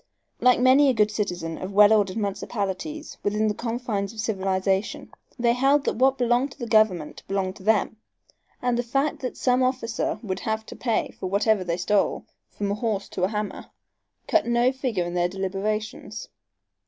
Like many a good citizen of well ordered municipalities within the confines of civilization, they held that what belonged to the government belonged to them, and the fact that some officer would have to pay for whatsoever they stole, from a horse to a hammer, cut no figure in their deliberations.